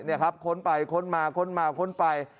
นี่ครับค้นไปค้นมาค้นมาค้นไป